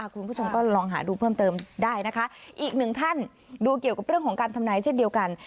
คุณผู้ชมก็ลองหาดูเพิ่มเติมได้นะคะอีกหนึ่งท่านดูเกี่ยวกับเรื่องของการทำนายเช่นเดียวกัน